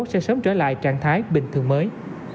sẽ sớm trở lại trạng thái bình thường mới